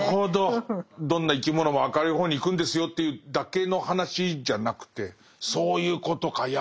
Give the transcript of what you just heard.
どんな生き物も明るい方に行くんですよというだけの話じゃなくてそういうことか。